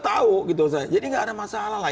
tahu gitu saya jadi nggak ada masalah lah